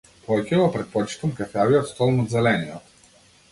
Повеќе го претпочитам кафеавиот стол над зелениот.